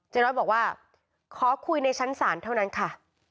น้อยบอกว่าขอคุยในชั้นศาลเท่านั้นค่ะ